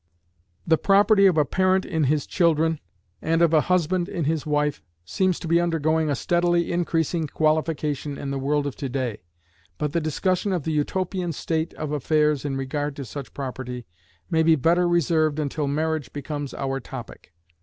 The property of a parent in his children, and of a husband in his wife, seems to be undergoing a steadily increasing qualification in the world of to day, but the discussion of the Utopian state of affairs in regard to such property may be better reserved until marriage becomes our topic.